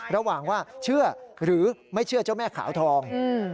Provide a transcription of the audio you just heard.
ระหว่างว่าเชื่อหรือไม่เชื่อเจ้าแม่ขาวทอง